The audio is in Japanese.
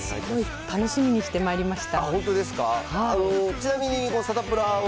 楽しみにしてまいりました。